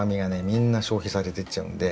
みんな消費されてっちゃうんで。